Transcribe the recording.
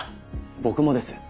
僕もです。